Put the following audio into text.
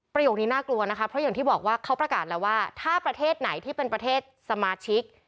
นี้น่ากลัวนะคะเพราะอย่างที่บอกว่าเขาประกาศแล้วว่าถ้าประเทศไหนที่เป็นประเทศสมาชิก